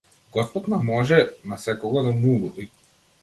Господ на може на секого да му угоди.